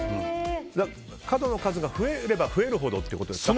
角の数が増えれば増えるほどってことですね。